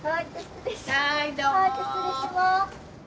失礼します。